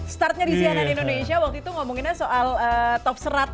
startnya di sianai indonesia waktu itu ngomonginnya soal top seratus ya